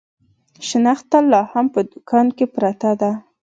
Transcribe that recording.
شنخته لا هم په دوکان کې پرته ده.